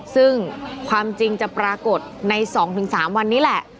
ซึ่งความจริงจะปรากฏใน๒๓วันนี้แหละ